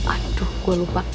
aduh gua lupa